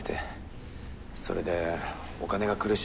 それでお金が苦しいもんで。